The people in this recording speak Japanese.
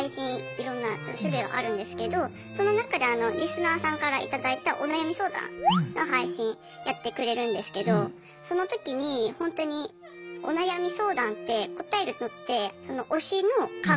いろんな種類はあるんですけどその中でリスナーさんから頂いたお悩み相談の配信やってくれるんですけどその時にほんとにお悩み相談って答えるのってその推しの考え